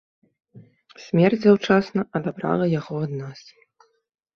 Смерць заўчасна адабрала яго ад нас.